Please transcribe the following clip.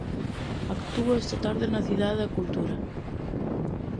Actúa esta tarde na Cidade da Cultura.